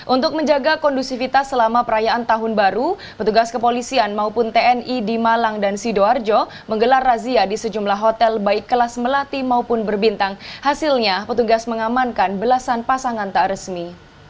untuk menjaga kondusivitas selama perayaan tahun baru petugas kepolisian maupun tni di malang dan sidoarjo menggelar razia di sejumlah hotel baik kelas melati maupun berbintang hasilnya petugas mengamankan belasan pasangan tak resmi